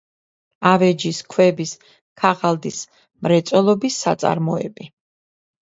ავეჯის, კვების, ქაღალდის მრეწველობის საწარმოები.